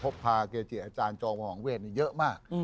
พบภาเกจิตอาจารย์จองหวังเวทย์เยอะมาก